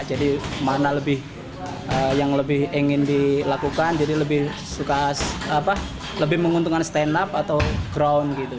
jadi mana yang lebih ingin dilakukan jadi lebih menguntungkan stand up atau ground gitu